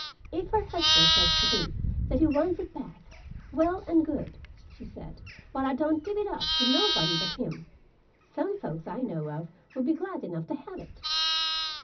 "If her husband says to me that he wants it back, well and good," she said, "but I don't give it up to nobody but him. Some folks I know of would be glad enough to have it."